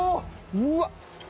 うわっ！